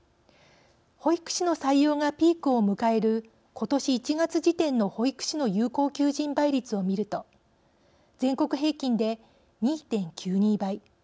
保育士の採用がピークを迎える今年１月時点の保育士の有効求人倍率を見ると全国平均で２．９２倍。